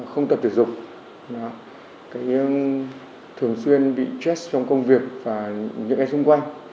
không tập thể dục thường xuyên bị trass trong công việc và những cái xung quanh